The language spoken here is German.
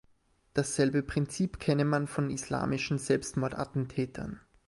Dasselbe Prinzip kenne man von islamistischen Selbstmordattentätern.